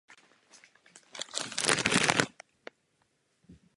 V západní části lodi se nachází zděná kruchta s varhanami vyrobenými v Krnově.